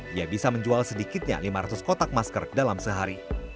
dia bisa menjual sedikitnya lima ratus kotak masker dalam sehari